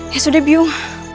ya sudah biung